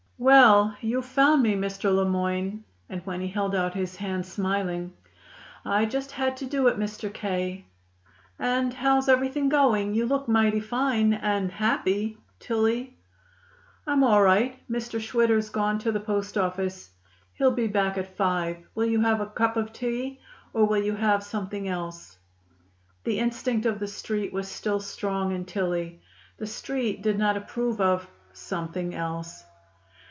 "Well, you've found me, Mr. Le Moyne." And, when he held out his hand, smiling: "I just had to do it, Mr. K." "And how's everything going? You look mighty fine and happy, Tillie." "I'm all right. Mr. Schwitter's gone to the postoffice. He'll be back at five. Will you have a cup of tea, or will you have something else?" The instinct of the Street was still strong in Tillie. The Street did not approve of "something else."